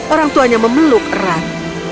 orang tuanya memeluk erat